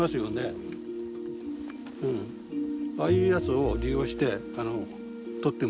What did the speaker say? ああいうやつを利用してとってます。